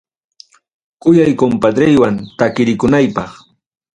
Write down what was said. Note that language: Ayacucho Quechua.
Kuyay compadreywan takirikunaypaq.